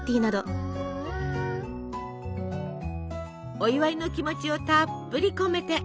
お祝いの気持ちをたっぷり込めて。